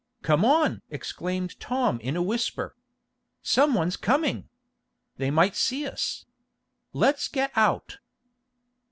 "Come on!" exclaimed Tom in a whisper. "Some one's coming! They may see us! Let's get out!"